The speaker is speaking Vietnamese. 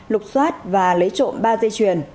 lục xoát và lấy trộm ba dây chuyền